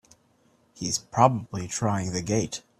He's probably trying the gate!